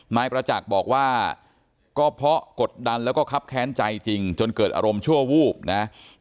นายประจักษ์บอกว่าก็เพราะกดดันแล้วก็คับแค้นใจจริงจนเกิดอารมณ์ชั่ววูบนะ